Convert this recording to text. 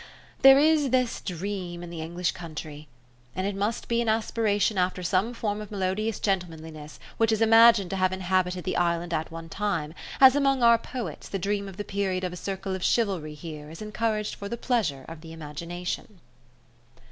There is this dream in the English country; and it must be an aspiration after some form of melodious gentlemanliness which is imagined to have inhabited the island at one time; as among our poets the dream of the period of a circle of chivalry here is encouraged for the pleasure of the imagination.